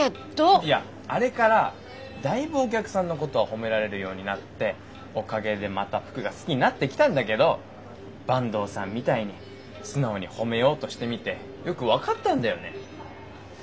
いやあれからだいぶお客さんのこと褒められるようになっておかげでまた服が好きになってきたんだけど坂東さんみたいに素直に褒めようとしてみてよく分かったんだよね。